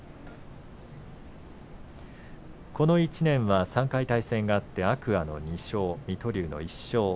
この１年は３回対戦があって天空海の２勝、水戸龍の１勝。